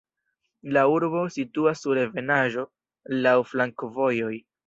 La urbo situas sur ebenaĵo, laŭ flankovojoj.